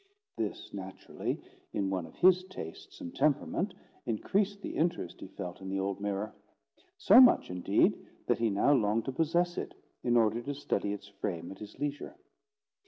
This, naturally, in one of his tastes and temperament, increased the interest he felt in the old mirror; so much, indeed, that he now longed to possess it, in order to study its frame at his leisure.